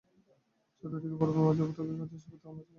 চতুর্দিকে পর্বত, মাঝে উপত্যকা, রাজার শিবির তাহারই মাঝখানেই অবস্থিত।